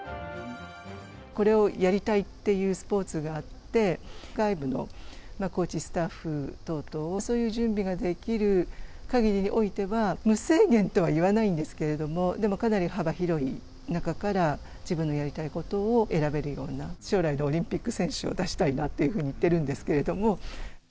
これをやりたいっていうスポーツがあって、外部のコーチ、スタッフ等々、そういう準備ができるかぎりにおいては、無制限とはいわないんですけれども、でも、かなり幅広い中から、自分のやりたいことを選べるような、将来のオリンピック選手を出したいなというふうに言ってるんですけれども。